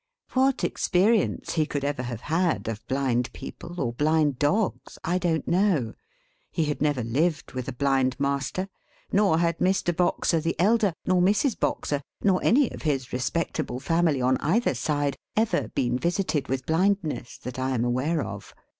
What experience he could ever have had of blind people or blind dogs, I don't know. He had never lived with a blind master; nor had Mr. Boxer the elder, nor Mrs. Boxer, nor any of his respectable family on either side, ever been visited with blindness, that I am aware of.